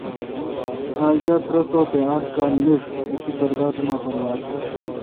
اج داترہ تے آڑ کال میݭ اسے پرداداُماپر یاس۔